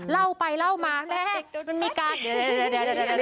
เล่าไปเล่ามาแม่มันมีการเดี๋ยว